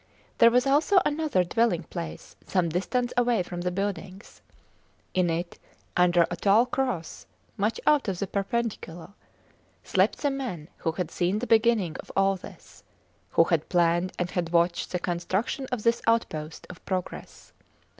There was also another dwelling place some distance away from the buildings. In it, under a tall cross much out of the perpendicular, slept the man who had seen the beginning of all this; who had planned and had watched the construction of this outpost of progress.